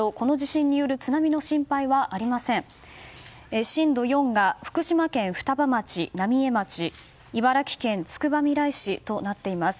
震度４が福島県双葉町、浪江町茨城県つくばみらい市となっています。